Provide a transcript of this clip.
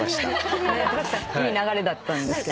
いい流れだったんですけど。